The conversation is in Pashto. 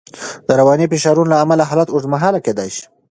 د رواني فشارونو له امله حالت اوږدمهاله کېدای شي.